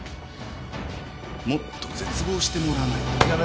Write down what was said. もっと絶望してもらわないと。